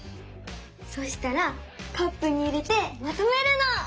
そしたらカップに入れてまとめるの！